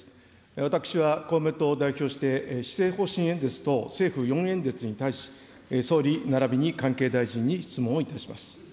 私は公明党を代表して施政方針演説等政府４演説に対し、総理、ならびに関係大臣に質問をいたします。